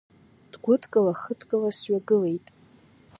Дгәыдкыла-хыдкыла сҩагылеит.